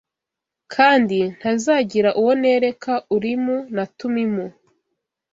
kandi ntazagira uwo nereka Urimu na Tumimu